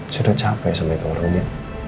saya udah capek sama itu orangnya